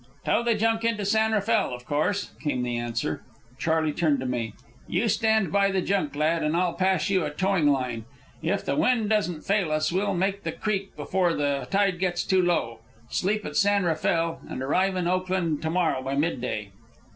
"Tow the junk into San Rafael, of course," came the answer. Charley turned to me. "You stand by the junk, lad, and I'll pass you a towing line. If the wind doesn't fail us, we'll make the creek before the tide gets too low, sleep at San Rafael, and arrive in Oakland to morrow by midday."